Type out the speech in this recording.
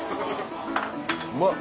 うまい！